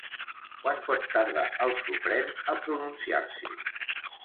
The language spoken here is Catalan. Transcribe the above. Quant pot tardar el Suprem a pronunciar-s’hi?